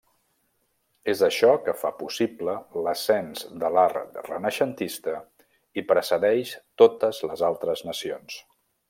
És això que fa possible l'ascens de l'art renaixentista i precedeix totes les altres nacions.